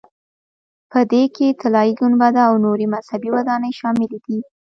په دې کې طلایي ګنبده او نورې مذهبي ودانۍ شاملې دي.